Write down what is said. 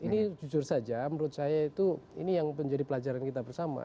ini jujur saja menurut saya itu ini yang menjadi pelajaran kita bersama